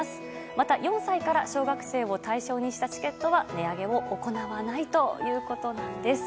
また４歳から小学生を対象にしたチケットは値上げを行わないということです。